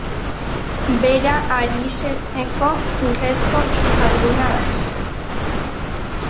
Bera, Arieseko urrezko zalduna da.